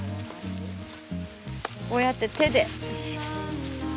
こうやって手で。